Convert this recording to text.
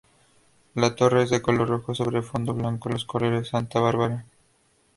La torre es de color rojo sobre fondo blanco, los colores de Santa Bárbara.